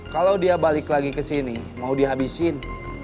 kalau dia balik lagi ke sini mau dihabisin